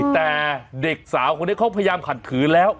แต่เด็กสาวคนนี้เขาพยายามขัดขืนแล้ว